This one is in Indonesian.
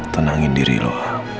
tenangin diri lo